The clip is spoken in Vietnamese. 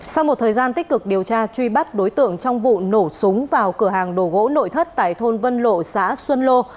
sau một thời gian tích cực điều tra truy bắt đối tượng trong vụ nổ súng vào cửa hàng đồ gỗ nội thất tại thôn vân lộ xã xuân lô